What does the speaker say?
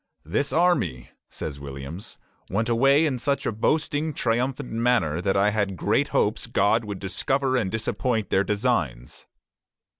"This army," says Williams, "went away in such a boasting, triumphant manner that I had great hopes God would discover and disappoint their designs."